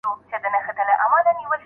ځيني خلک د پورونو له امله حيران پاته دي.